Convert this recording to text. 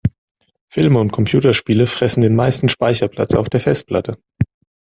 Filme und Computerspiele fressen den meisten Speicherplatz auf der Festplatte.